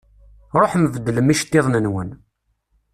Ṛuḥem beddlem iceṭṭiḍen-nwen.